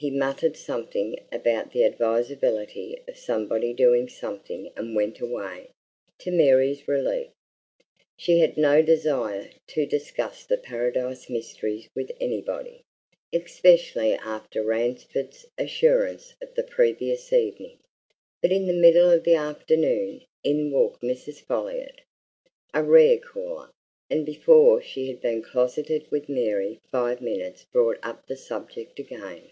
He muttered something about the advisability of somebody doing something and went away, to Mary's relief. She had no desire to discuss the Paradise mysteries with anybody, especially after Ransford's assurance of the previous evening. But in the middle of the afternoon in walked Mrs. Folliot, a rare caller, and before she had been closeted with Mary five minutes brought up the subject again.